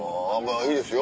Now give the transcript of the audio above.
いいですよ。